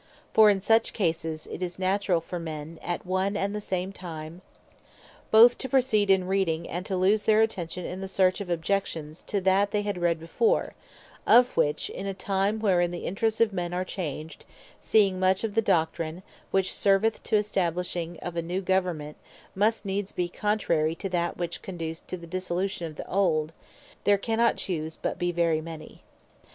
For in such cases, it is naturall for men, at one and the same time, both to proceed in reading, and to lose their attention, in the search of objections to that they had read before: Of which, in a time wherein the interests of men are changed (seeing much of that Doctrine, which serveth to the establishing of a new Government, must needs be contrary to that which conduced to the dissolution of the old,) there cannot choose but be very many.